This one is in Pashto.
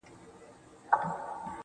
د وحشت؛ په ښاریه کي زندگي ده,